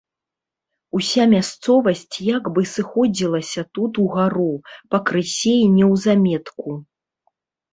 Уся мясцовасць як бы сыходзілася тут угару, пакрысе і неўзаметку.